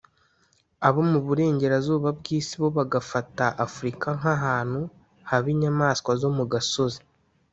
abo mu Burengerazuba bw’Isi bo bagafata Afurika nk’ahantu haba inyamaswa zo mu gasozi